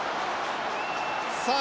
さあ